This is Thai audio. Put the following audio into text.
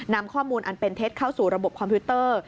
นำข้อมูลอันเป็นเท็จเข้าสู่ระบบคอมพิวเตอร์